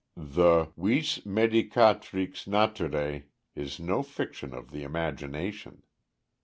The vis medicatrix Naturæ is no fiction of the imagination.